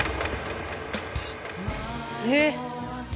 えっ！